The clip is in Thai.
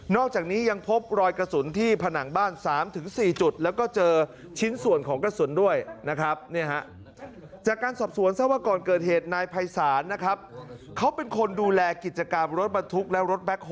นอกจากนี้ยังพบรอยกระสุนที่ผนังบ้าน๓๔จุด